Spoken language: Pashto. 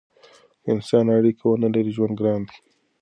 که انسانان اړیکې ونلري ژوند ګران دی.